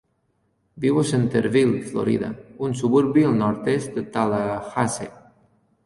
Viu a Centerville, Florida, un suburbi al nord-est de Tallahassee.